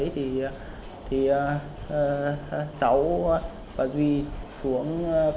thì cháu và duy xuống vĩnh phúc để cướp xe